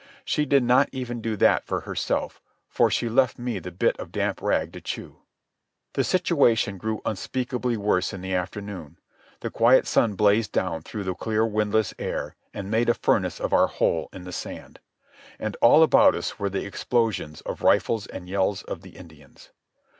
She did not even do that for herself, for she left me the bit of damp rag to chew. The situation grew unspeakably worse in the afternoon. The quiet sun blazed down through the clear windless air and made a furnace of our hole in the sand. And all about us were the explosions of rifles and yells of the Indians.